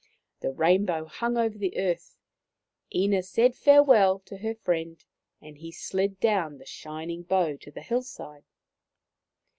The rainbow hung over the earth, Ina said farewell to her friend, and he slid down the shining bow to the hillside.